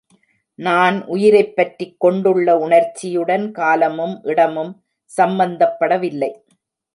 நான் உயிரைப் பற்றிக் கொண்டுள்ள உணர்ச்சியுடன் காலமும் இடமும் சம்பந்தப்படவில்லை.